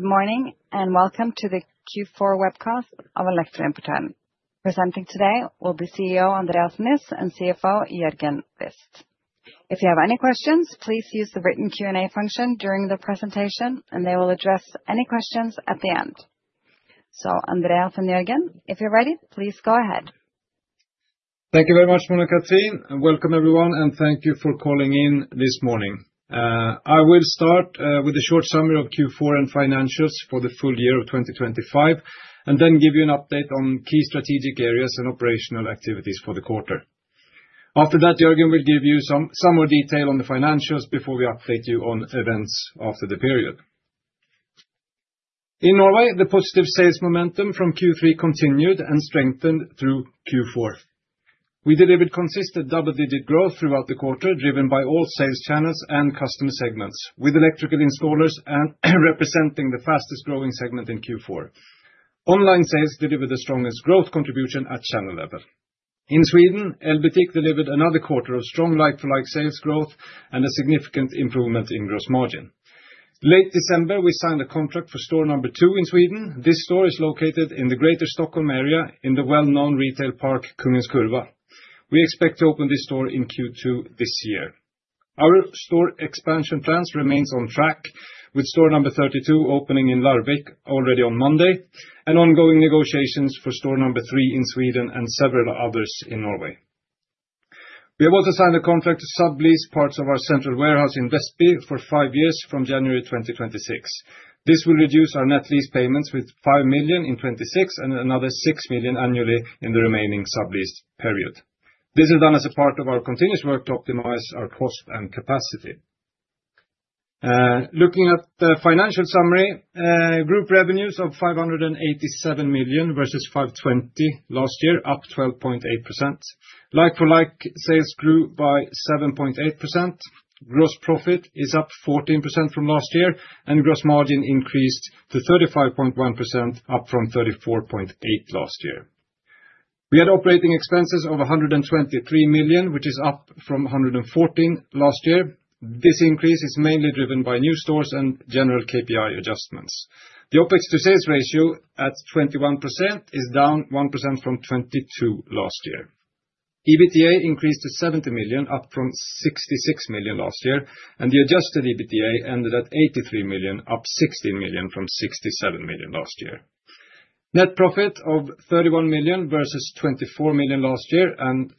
Good morning, and welcome to the Q4 webcast of Elektroimportøren. Presenting today will be CEO Andreas Niss and CFO Jørgen Wist. If you have any questions, please use the written Q&A function during the presentation, and they will address any questions at the end. Andreas and Jorgen, if you're ready, please go ahead. Thank you very much, Mona-Cathrin, and welcome everyone, and thank you for calling in this morning. I will start with a short summary of Q4 and financials for the full year of 2025, and then give you an update on key strategic areas and operational activities for the quarter. After that, Jørgen will give you some more detail on the financials before we update you on events after the period. In Norway, the positive sales momentum from Q3 continued and strengthened through Q4. We delivered consistent double-digit growth throughout the quarter, driven by all sales channels and customer segments, with electrical installers and representing the fastest-growing segment in Q4. Online sales delivered the strongest growth contribution at channel level. In Sweden, Elbutik delivered another quarter of strong like-for-like sales growth and a significant improvement in gross margin. Late December, we signed a contract for store number two in Sweden. This store is located in the greater Stockholm area, in the well-known retail park, Kungens Kurva. We expect to open this store in Q2 this year. Our store expansion plans remains on track, with store number 32 opening in Larvik already on Monday, and ongoing negotiations for store number three in Sweden and several others in Norway. We have also signed a contract to sublease parts of our central warehouse in Vestby for five years from January 2026. This will reduce our net lease payments with 5 million in 2026 and another 6 million annually in the remaining sublease period. This is done as a part of our continuous work to optimize our cost and capacity. Looking at the financial summary, group revenues of 587 million versus 520 million last year, up 12.8%. Like-for-like sales grew by 7.8%. Gross profit is up 14% from last year, and gross margin increased to 35.1%, up from 34.8% last year. We had operating expenses of 123 million, which is up from 114 million last year. This increase is mainly driven by new stores and general KPI adjustments. The OpEx to sales ratio, at 21%, is down 1% from 22% last year. EBITDA increased to 70 million, up from 66 million last year, and the adjusted EBITDA ended at 83 million, up 16 million from 67 million last year. Net profit of 31 million versus 24 million last year, and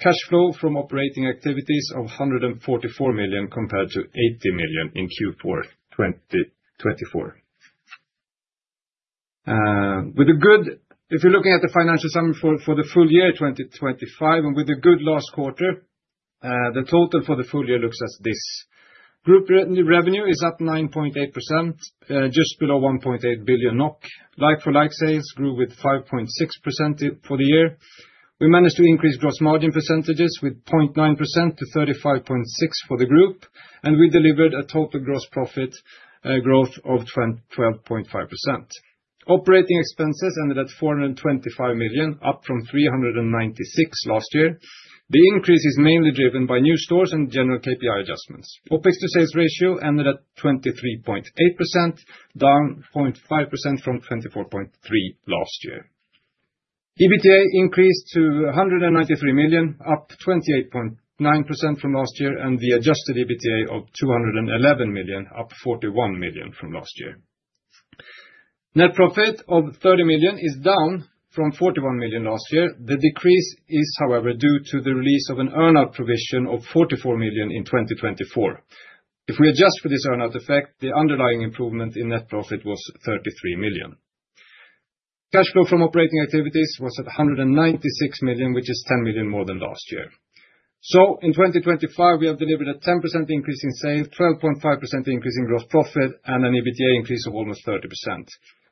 cash flow from operating activities of 144 million compared to 80 million in Q4 2024. With a good if you're looking at the financial summary for the full year 2025, and with a good last quarter, the total for the full year looks as this: Group revenue is up 9.8%, just below 1.8 billion NOK. Like-for-like sales grew with 5.6% for the year. We managed to increase gross margin percentages with 0.9% to 35.6% for the group, and we delivered a total gross profit growth of 12.5%. Operating expenses ended at 425 million, up from 396 million last year. The increase is mainly driven by new stores and general KPI adjustments. OpEx to sales ratio ended at 23.8%, down 0.5% from 24.3% last year. EBITDA increased to 193 million, up 28.9% from last year, and the adjusted EBITDA of 211 million, up 41 million from last year. Net profit of 30 million is down from 41 million last year. The decrease is, however, due to the release of an earn-out provision of 44 million in 2024. If we adjust for this earn-out effect, the underlying improvement in net profit was 33 million. Cash flow from operating activities was at 196 million, which is 10 million more than last year. So in 2025, we have delivered a 10% increase in sales, 12.5% increase in gross profit, and an EBITDA increase of almost 30%.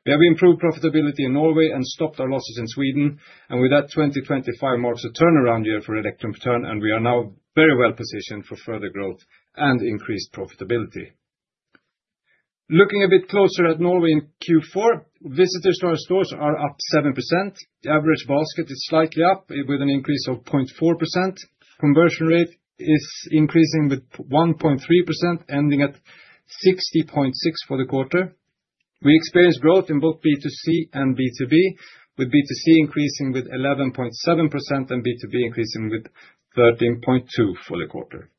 We have improved profitability in Norway and stopped our losses in Sweden, and with that, 2025 marks a turnaround year for Elektroimportøren, and we are now very well positioned for further growth and increased profitability. Looking a bit closer at Norway in Q4, visitors to our stores are up 7%. The average basket is slightly up, with an increase of 0.4%. Conversion rate is increasing with 1.3%, ending at 60.6 for the quarter. We experienced growth in both B2C and B2B, with B2C increasing with 11.7% and B2B increasing with 13.2 for the quarter.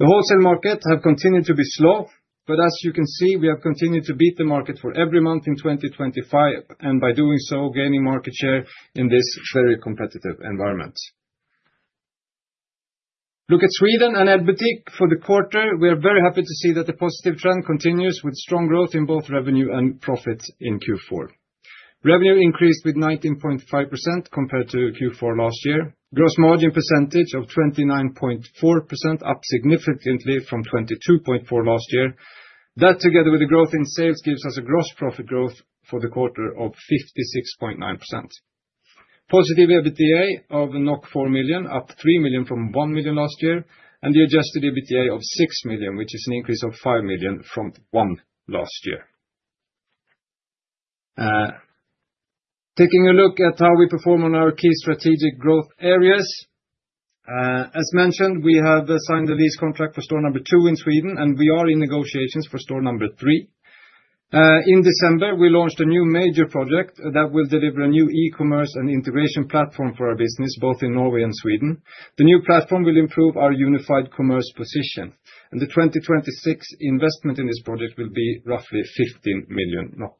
The wholesale market have continued to be slow, but as you can see, we have continued to beat the market for every month in 2025, and by doing so, gaining market share in this very competitive environment. Look at Sweden and Elbutik for the quarter. We are very happy to see that the positive trend continues with strong growth in both revenue and profit in Q4. Revenue increased with 19.5% compared to Q4 last year. Gross margin percentage of 29.4%, up significantly from 22.4% last year. That, together with the growth in sales, gives us a gross profit growth for the quarter of 56.9%. Positive EBITDA of 4 million, up 3 million from 1 million last year, and the adjusted EBITDA of 6 million, which is an increase of 5 million from 1 million last year. Taking a look at how we perform on our key strategic growth areas. As mentioned, we have signed a lease contract for store number two in Sweden, and we are in negotiations for store number three. In December, we launched a new major project that will deliver a new e-commerce and integration platform for our business, both in Norway and Sweden. The new platform will improve our unified commerce position, and the 2026 investment in this project will be roughly 15 million NOK.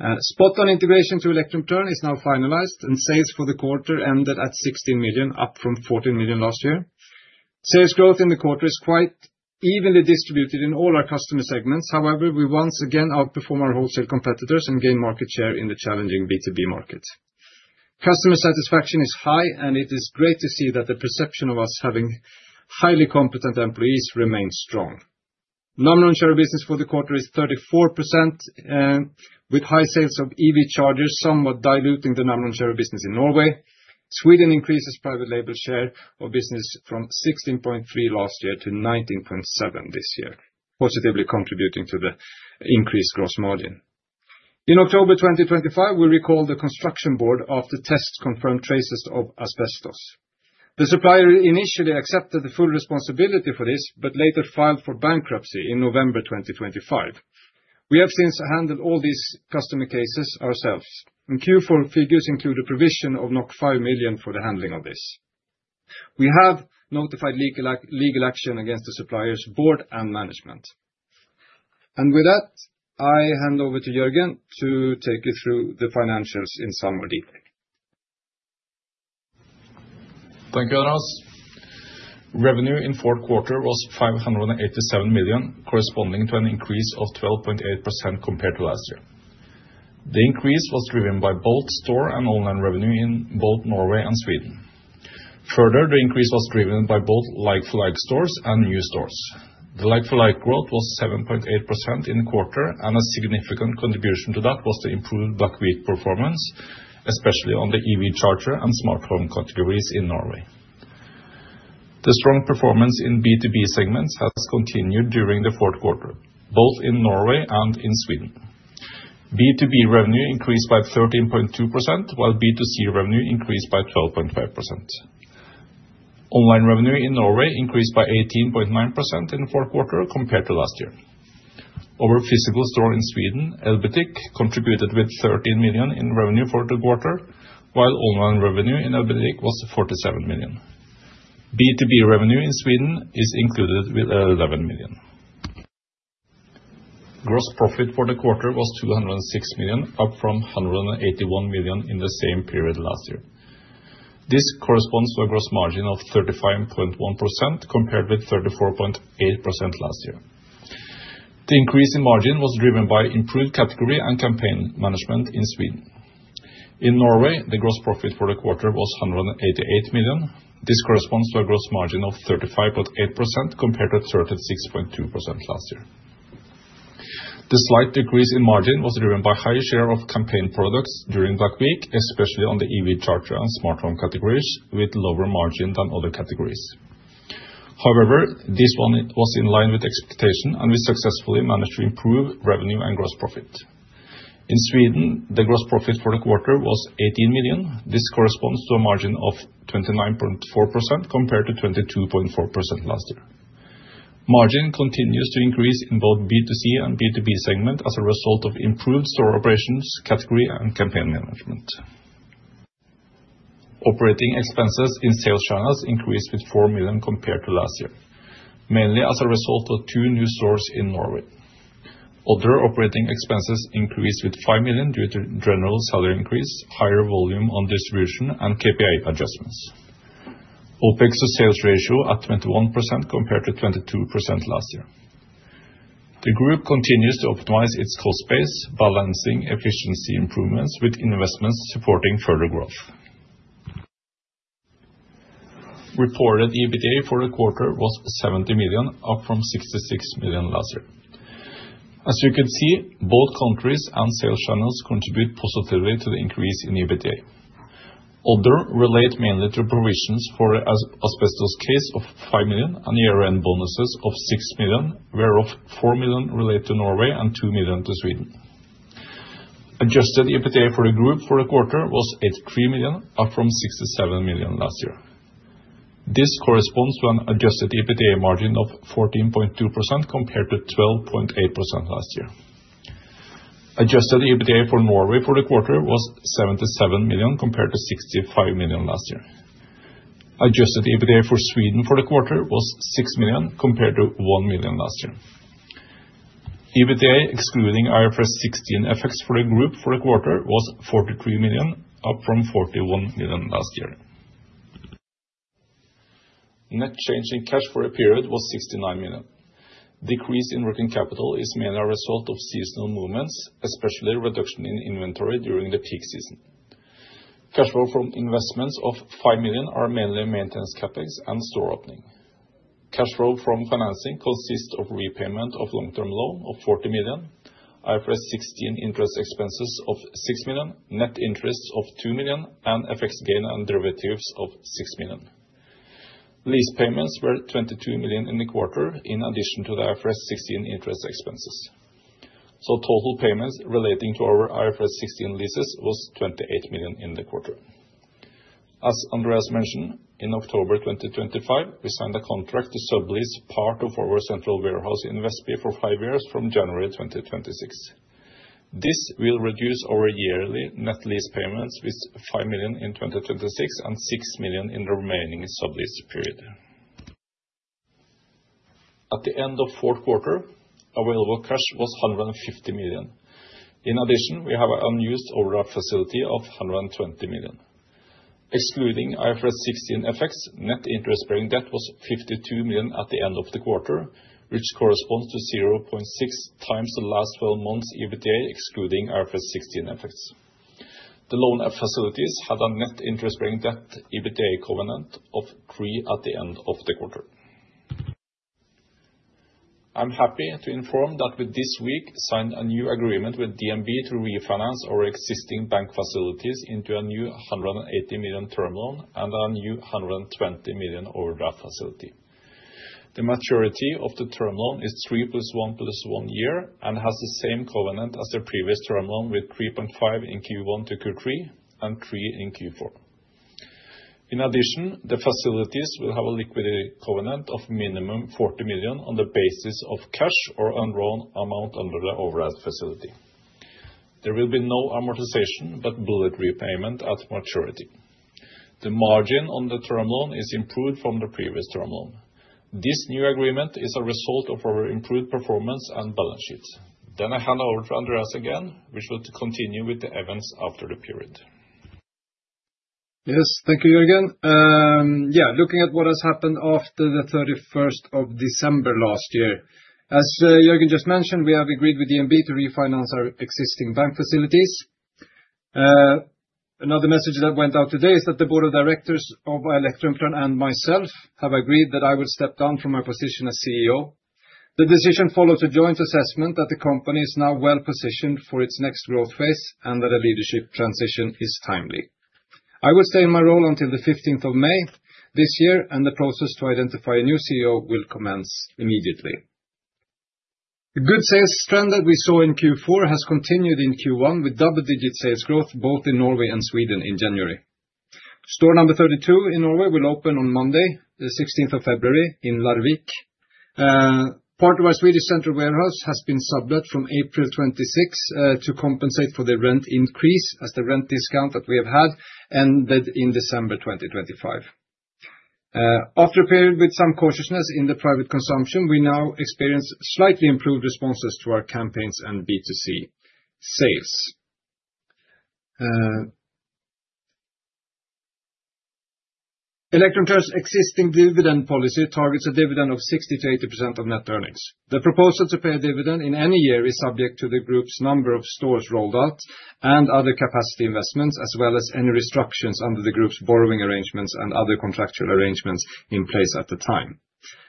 SpotOn integration to Elektroimportøren is now finalized, and sales for the quarter ended at 16 million, up from 14 million last year. Sales growth in the quarter is quite evenly distributed in all our customer segments. However, we once again outperform our wholesale competitors and gain market share in the challenging B2B market. Customer satisfaction is high, and it is great to see that the perception of us having highly competent employees remains strong. Namron share business for the quarter is 34%, with high sales of EV chargers, somewhat diluting the Namron share business in Norway. Sweden increases private label share of business from 16.3% last year to 19.7% this year, positively contributing to the increased gross margin. In October 2025, we recalled the construction board after tests confirmed traces of asbestos. The supplier initially accepted the full responsibility for this, but later filed for bankruptcy in November 2025. We have since handled all these customer cases ourselves, and Q4 figures include a provision of 5 million for the handling of this. We have notified legal action against the supplier's board and management. With that, I hand over to Jørgen to take you through the financials in some more detail. Thank you, Andreas. Revenue in fourth quarter was 587 million, corresponding to an increase of 12.8% compared to last year. The increase was driven by both store and online revenue in both Norway and Sweden. Further, the increase was driven by both like-for-like stores and new stores. The like-for-like growth was 7.8% in the quarter, and a significant contribution to that was the improved Black Week performance, especially on the EV charger and smart home categories in Norway. The strong performance in B2B segments has continued during the fourth quarter, both in Norway and in Sweden. B2B revenue increased by 13.2%, while B2C revenue increased by 12.5%. Online revenue in Norway increased by 18.9% in the fourth quarter compared to last year. Our physical store in Sweden, Elbutik, contributed with 13 million in revenue for the quarter, while online revenue in Elbutik was 47 million. B2B revenue in Sweden is included with 11 million. Gross profit for the quarter was 206 million, up from 181 million in the same period last year. This corresponds to a gross margin of 35.1%, compared with 34.8% last year. The increase in margin was driven by improved category and campaign management in Sweden. In Norway, the gross profit for the quarter was 188 million. This corresponds to a gross margin of 35.8%, compared to 36.2% last year. The slight decrease in margin was driven by higher share of campaign products during Black Week, especially on the EV charger and smart home categories, with lower margin than other categories. However, this one was in line with expectation, and we successfully managed to improve revenue and gross profit. In Sweden, the gross profit for the quarter was 18 million. This corresponds to a margin of 29.4%, compared to 22.4% last year. Margin continues to increase in both B2C and B2B segment as a result of improved store operations, category and campaign management. Operating expenses in sales channels increased with 4 million compared to last year, mainly as a result of two new stores in Norway. Other operating expenses increased with 5 million due to general salary increase, higher volume on distribution, and KPI adjustments. OpEx to sales ratio at 21%, compared to 22% last year. The group continues to optimize its cost base, balancing efficiency improvements with investments supporting further growth. Reported EBITDA for the quarter was 70 million, up from 66 million last year. As you can see, both countries and sales channels contribute positively to the increase in EBITDA. Other relate mainly to provisions for asbestos case of 5 million and year-end bonuses of 6 million, whereof 4 million relate to Norway and 2 million to Sweden. Adjusted EBITDA for the group for the quarter was 83 million, up from 67 million last year. This corresponds to an adjusted EBITDA margin of 14.2%, compared to 12.8% last year. Adjusted EBITDA for Norway for the quarter was 77 million, compared to 65 million last year. Adjusted EBITDA for Sweden for the quarter was 6 million, compared to 1 million last year. EBITDA, excluding IFRS 16 effects for the group for the quarter, was 43 million, up from 41 million last year. Net change in cash for a period was 69 million. Decrease in working capital is mainly a result of seasonal movements, especially reduction in inventory during the peak season. Cash flow from investments of 5 million are mainly maintenance CapEx and store opening. Cash flow from financing consists of repayment of long-term loan of 40 million, IFRS 16 interest expenses of 6 million, net interest of 2 million, and FX gain and derivatives of 6 million. Lease payments were 22 million in the quarter, in addition to the IFRS 16 interest expenses. So total payments relating to our IFRS 16 leases was 28 million in the quarter. As Andreas mentioned, in October 2025, we signed a contract to sublease part of our central warehouse in Vestby for five years from January 2026. This will reduce our yearly net lease payments with 5 million in 2026, and 6 million in the remaining sublease period. At the end of fourth quarter, available cash was 150 million. In addition, we have an unused overdraft facility of 120 million. Excluding IFRS 16 effects, net interest-bearing debt was 52 million at the end of the quarter, which corresponds to 0.6x the last twelve months EBITDA, excluding IFRS 16 effects. The loan and facilities have a net interest-bearing debt, EBITDA covenant of 3 at the end of the quarter. I'm happy to inform that this week we signed a new agreement with DNB to refinance our existing bank facilities into a new 180 million term loan and a new 120 million overdraft facility. The maturity of the term loan is 3 + 1 + 1 year, and has the same covenant as the previous term loan, with 3.5 in Q1 to Q3, and 3 in Q4. In addition, the facilities will have a liquidity covenant of minimum 40 million on the basis of cash or undrawn amount under the overall facility. There will be no amortization, but bullet repayment at maturity. The margin on the term loan is improved from the previous term loan. This new agreement is a result of our improved performance and balance sheet. Then I hand over to Andreas again, which will continue with the events after the period. Yes, thank you, Jørgen. Yeah, looking at what has happened after the thirty-first of December last year. As Jørgen just mentioned, we have agreed with DNB to refinance our existing bank facilities. Another message that went out today is that the board of directors of Elektroimportøren and myself, have agreed that I will step down from my position as CEO. The decision follows a joint assessment that the company is now well-positioned for its next growth phase, and that a leadership transition is timely. I will stay in my role until the fifteenth of May this year, and the process to identify a new CEO will commence immediately. The good sales trend that we saw in Q4 has continued in Q1, with double-digit sales growth, both in Norway and Sweden in January. Store number 32 in Norway will open on Monday, the sixteenth of February in Larvik. Part of our Swedish central warehouse has been sublet from April 26 to compensate for the rent increase, as the rent discount that we have had ended in December 2025. After a period with some cautiousness in the private consumption, we now experience slightly improved responses to our campaigns and B2C sales. Elektroimportøren's existing dividend policy targets a dividend of 60%-80% of net earnings. The proposal to pay a dividend in any year is subject to the group's number of stores rolled out and other capacity investments, as well as any restructures under the group's borrowing arrangements and other contractual arrangements in place at the time.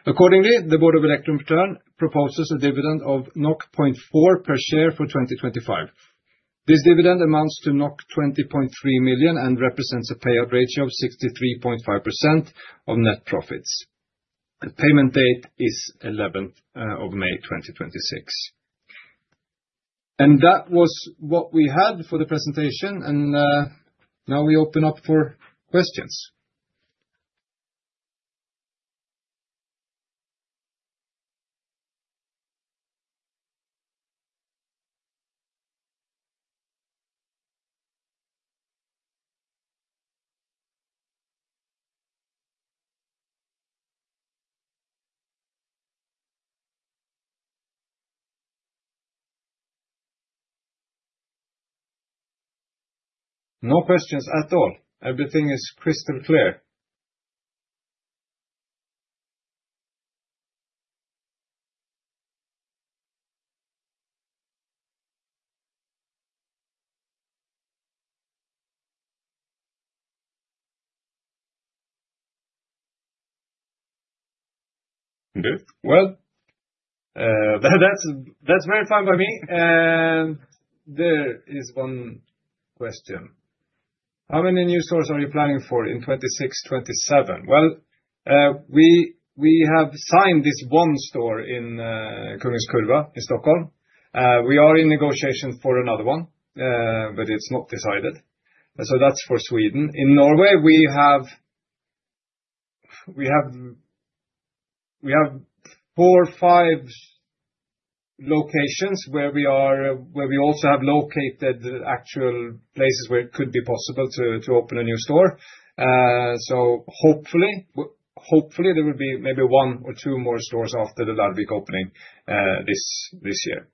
Accordingly, the board of Elektroimportøren proposes a dividend of 0.4 per share for 2025. This dividend amounts to 20.3 million, and represents a payout ratio of 63.5% of net profits. The payment date is 11th of May 2026. That was what we had for the presentation, and now we open up for questions. No questions at all? Everything is crystal clear. Okay, well, that's very fine by me. And there is one question: How many new stores are you planning for in 2026, 2027? Well, we have signed this one store in Kungens Kurva in Stockholm. We are in negotiation for another one, but it's not decided. So that's for Sweden. In Norway, we have four, five locations where we also have located the actual places where it could be possible to open a new store. So hopefully, hopefully, there will be maybe one or two more stores after the Larvik opening, this year.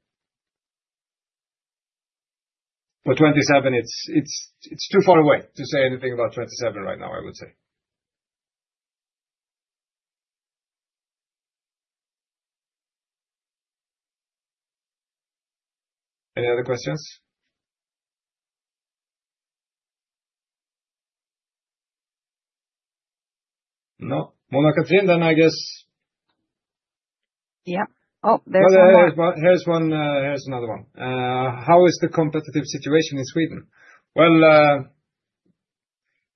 For 2027, it's too far away to say anything about 2027 right now, I would say. Any other questions? No. Mona-Cathrin, then I guess. Yeah. Oh, there's one more. Here's one, here's another one. How is the competitive situation in Sweden? Well,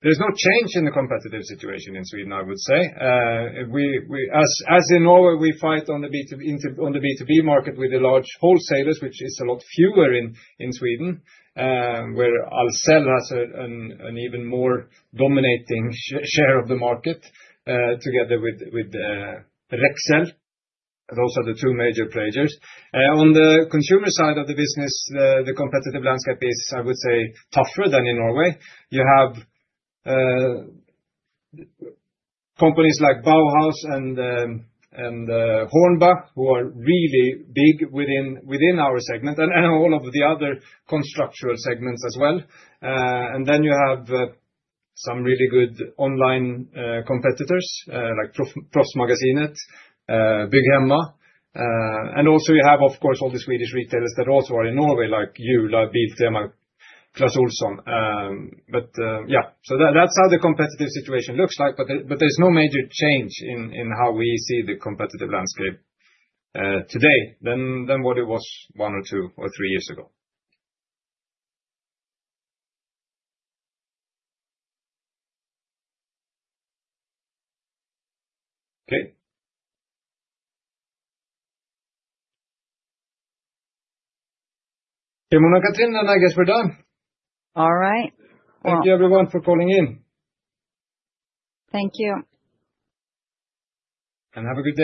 there's no change in the competitive situation in Sweden, I would say. As in Norway, we fight on the B2B market with the large wholesalers, which is a lot fewer in Sweden, where Ahlsell has an even more dominating share of the market, together with Rexel. Those are the two major players. On the consumer side of the business, the competitive landscape is, I would say, tougher than in Norway. You have companies like BAUHAUS and HORNBACH, who are really big within our segment, and all of the other constructional segments as well. And then you have some really good online competitors like Proffsmagasinet. Proffsmagasinet, Bygghemma, and also you have, of course, all the Swedish retailers that also are in Norway, like Jula, Biltema, Clas Ohlson. But, yeah, so that, that's how the competitive situation looks like, but there, but there's no major change in, in how we see the competitive landscape, today, than, than what it was one or two or three years ago. Okay. Yeah, Mona-Cathrin, then I guess we're done. All right. Thank you everyone for calling in. Thank you. Have a good day.